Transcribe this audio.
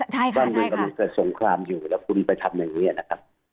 ใช่ครับใช่ครับ